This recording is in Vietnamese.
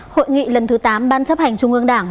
hội nghị lần thứ tám ban chấp hành trung ương đảng